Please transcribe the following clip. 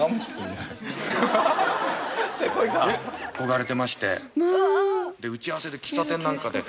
憧れてまして打ち合わせで喫茶店なんかで。